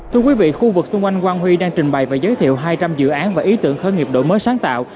thưa quý vị khu vực xung quanh quang huy đang trình bày và giới thiệu hai trăm linh dự án và ý tưởng khởi nghiệp đổi mới sáng tạo